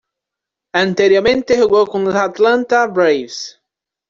Anteriormente jugó con los Atlanta Braves.